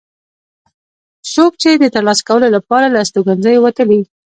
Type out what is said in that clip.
څوک چې د ترلاسه کولو لپاره له استوګنځیو وتلي.